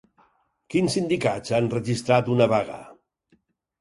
Quins sindicats han registrat una vaga?